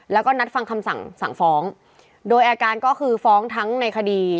แล้วก็นัดฟังคำสั่งสั่งฟ้องโดยอาการก็คือฟ้องทั้งในคดี